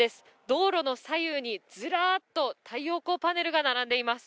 道路の左右にずらっと太陽光パネルが並んでいます。